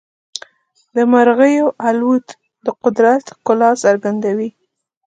د مرغیو الوت د قدرت ښکلا څرګندوي.